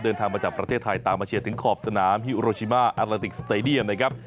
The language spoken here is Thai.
เดินทางมาจากประเทศไทยตามมาเชียร์ถึงขอบสนามฮิโรชิมาอาราติกสเตดียมนะครับ